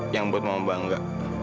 yang buat mama bangga